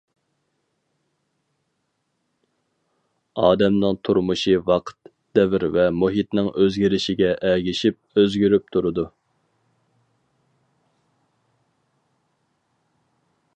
ئادەمنىڭ تۇرمۇشى ۋاقىت، دەۋر ۋە مۇھىتنىڭ ئۆزگىرىشىگە ئەگىشىپ ئۆزگىرىپ تۇرىدۇ.